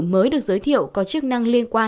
mới được giới thiệu có chức năng liên quan